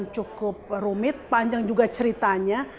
dan cukup rumit panjang juga ceritanya